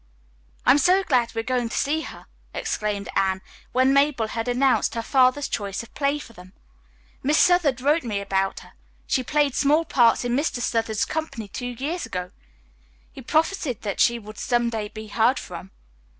"I am so glad we are going to see her!" exclaimed Anne, when Mabel had announced her father's choice of play for them. "Miss Southard wrote me about her. She played small parts in Mr. Southard's company two years ago. He prophesied that she would some day be heard from."